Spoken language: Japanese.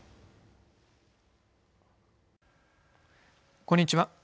こんにちは。